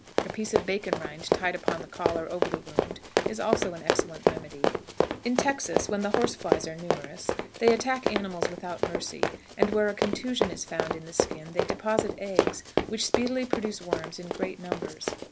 A piece of bacon rind tied upon the collar over the wound is also an excellent remedy. In Texas, when the horse flies are numerous, they attack animals without mercy, and where a contusion is found in the skin they deposit eggs, which speedily produce worms in great numbers.